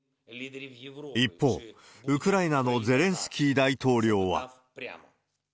一方、ウクライナのゼレンスキー大統領は。